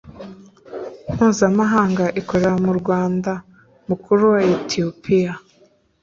mpuzamahanga ikorera mu murwa mukuru wa etiyopiya.